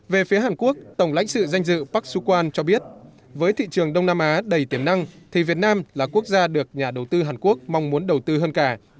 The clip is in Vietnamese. về phía hàn quốc tổng lãnh sự danh dự park sun cho biết với thị trường đông nam á đầy tiềm năng thì việt nam là quốc gia được nhà đầu tư hàn quốc mong muốn đầu tư hơn cả